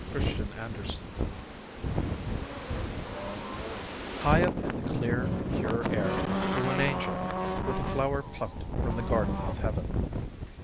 A LEAF FROM HEAVEN High up in the clear, pure air flew an angel, with a flower plucked from the garden of heaven.